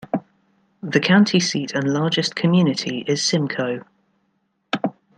The county seat and largest community is Simcoe.